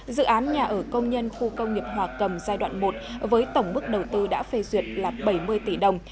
dự án nhà ở công nhân khu công nghiệp hòa cầm giai đoạn một với tổng mức đầu tư đã phê duyệt là bảy mươi tỷ đồng